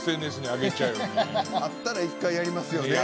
「あったら１回やりますよね」